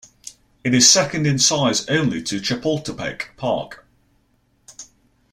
It is second in size only to Chapultepec Park.